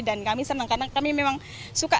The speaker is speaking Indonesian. dan kami senang karena kami memang suka